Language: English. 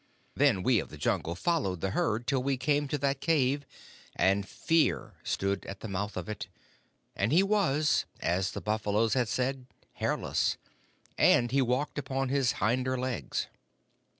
Then we of the Jungle followed the herd till we came to that cave, and Fear stood at the mouth of it, and he was, as the buffaloes had said, hairless, and he walked upon his hinder legs.